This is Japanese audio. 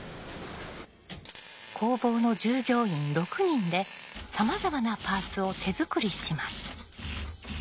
工房の従業員６人でさまざまなパーツを手作りします。